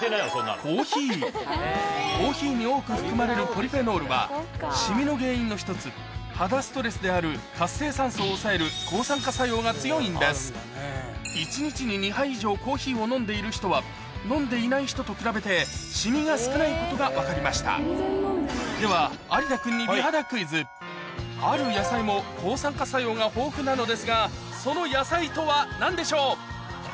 コーヒーに多く含まれるシミの原因の１つ肌ストレスである活性酸素を抑える抗酸化作用が強いんです一日に２杯以上コーヒーを飲んでいる人は飲んでいない人と比べてシミが少ないことが分かりましたでは有田君にその野菜とは何でしょう？